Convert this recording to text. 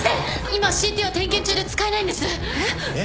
今ＣＴは点検中で使えないんです。